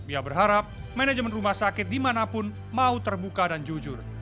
ia berharap manajemen rumah sakit dimanapun mau terbuka dan jujur